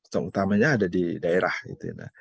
stok utamanya ada di daerah itu